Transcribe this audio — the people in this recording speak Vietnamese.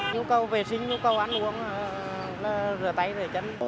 nhu cầu vệ sinh nhu cầu ăn uống rửa tay rửa chân